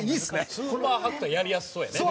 スーパーはくとやりやすそうやね。